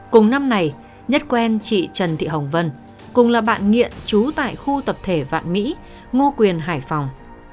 cùng năm này nhất quen chị trần thị hồng vân cùng là bạn nghiện trú tại khu tập thể vạn mỹ ngô quyền hải phòng